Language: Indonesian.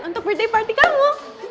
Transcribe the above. untuk birthday party kamu